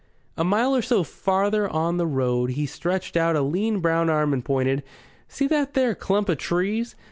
A mile or so farther on the road he stretched out a lean brown arm and pointed. "See that there clump of trees?